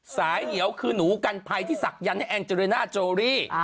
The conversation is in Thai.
เหนียวคือหนูกันภัยที่ศักดันให้แองเจริน่าโจรี่